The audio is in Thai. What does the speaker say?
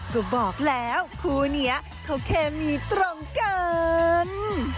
ก็บอกแล้วคู่นี้เขาเคมีตรงกัน